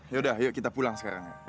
yaudah yuk kita pulang sekarang ya